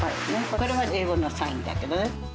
これが英語のサインだけどね。